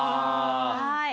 はい。